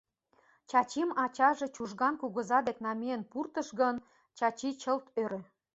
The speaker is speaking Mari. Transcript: Чачим ачаже Чужган кугыза дек намиен пуртыш гын, Чачи чылт ӧрӧ...